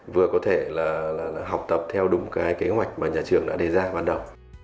vừa có thể là học tập theo đúng cái kế hoạch mà nhà trường đã đề ra ban đầu